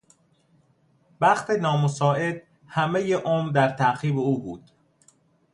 بخت نامساعد همهی عمر در تعقیب او بود.